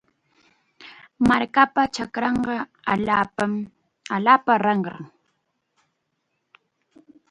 Markapa chakranqa allaapa ranram.